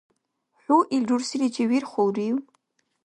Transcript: ХӀу ил рурсиличи вирхулрив?